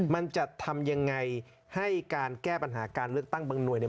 มันจะทำยังไงให้การแก้ปัญหาการเลือกตั้งบางหน่วยเนี่ย